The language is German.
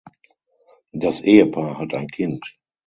Das Ehepaar hat ein Kind.